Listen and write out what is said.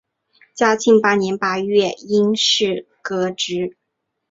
嘉庆八年八月因事革职。